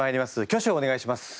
挙手をお願いします。